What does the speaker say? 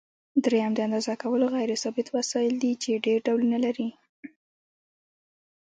دریم د اندازه کولو غیر ثابت وسایل دي چې ډېر ډولونه لري.